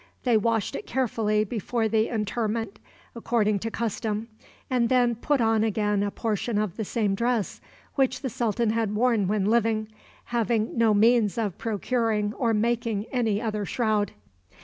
They washed it carefully before the interment, according to custom, and then put on again a portion of the same dress which the sultan had worn when living, having no means of procuring or making any other shroud.